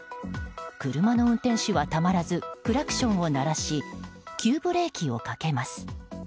車の運転手はたまらずクラクションを鳴らし急ブレーキをかけます。